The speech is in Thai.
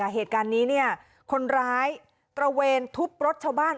เหตุการณ์นี้คนร้ายตระเวนทุบรถชาวบ้าน